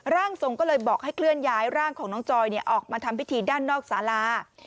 ร่างทรงก็เลยบอกให้เคลื่อนย้ายร่างของน้องจอยออกมาทำพิธีด้านนอกสารา